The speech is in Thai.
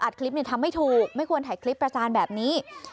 คลิปนี้ทำไม่ถูกไม่ควรถ่ายคลิปประจานแบบนี้